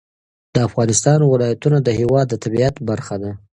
د افغانستان ولایتونه د هېواد د طبیعت برخه ده.